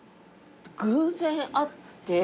偶然会って。